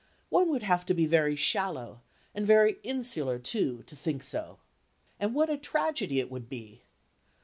One would have to be very shallow and very insular, too, to think so. And what a tragedy it would be!